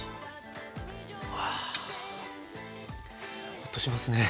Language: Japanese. ホッとしますね。